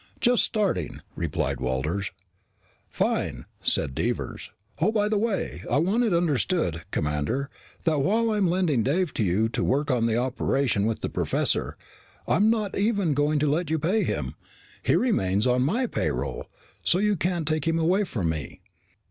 "Just starting," replied Walters. "Fine," said Devers. "Oh, by the way, I want it understood, Commander, that while I am lending Dave to you to work on the operation with the professor, I'm not even going to let you pay him. He remains on my payroll, so you can't take him away from me.